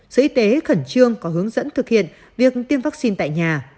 sở y tế khẩn trương có hướng dẫn thực hiện việc tiêm vaccine tại nhà